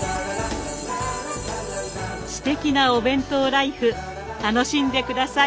すてきなお弁当ライフ楽しんで下さい。